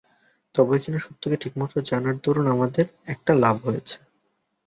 তবে কিনা সত্যকে ঠিকমতো করে জানার দরুন আমাদের একটা লাভ আছে।